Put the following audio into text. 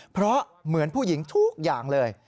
เพราะเหมือนผู้หญิงทุกอย่างเลย